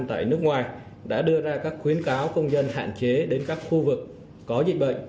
tại nước ngoài đã đưa ra các khuyến cáo công dân hạn chế đến các khu vực có dịch bệnh